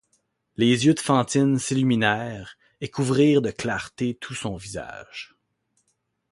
Les yeux de Fantine s’illuminèrent et couvrirent de clarté tout son visage.